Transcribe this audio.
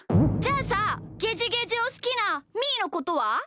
じゃあさゲジゲジをすきなみーのことは？